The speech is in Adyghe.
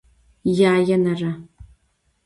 Yaênere.